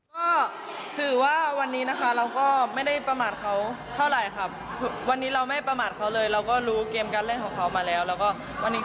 ขอบคุณทุกคนมากที่สู้ไปด้วยกัน